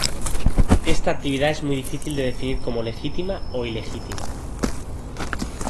Esta actividad es muy difícil de definir como legítima o ilegítima.